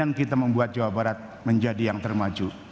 dan kita membuat jawa barat menjadi yang termaju